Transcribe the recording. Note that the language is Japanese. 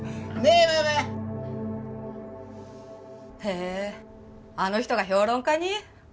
へえあの人が評論家に？